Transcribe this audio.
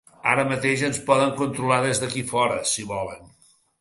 Ara mateix ens poden controlar des d’aquí fora, si volen.